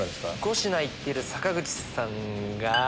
５品いってる坂口さんが。